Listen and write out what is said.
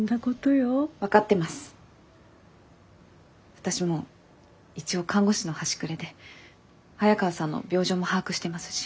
私も一応看護師の端くれで早川さんの病状も把握してますし。